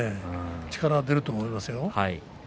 力が出ると思いますよ。